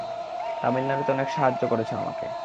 তামিলনাড়ুতে অনেক সাহায্য করেছে আমাকে।